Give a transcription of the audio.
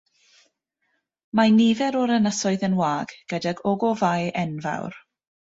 Mae nifer o'r ynysoedd yn wag, gydag ogofâu enfawr.